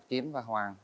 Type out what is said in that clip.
để thuê đạt và hoàng